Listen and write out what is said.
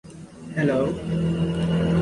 I don't wish you to go home with me.